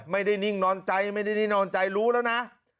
นิ่งนอนใจไม่ได้นิ่งนอนใจรู้แล้วนะ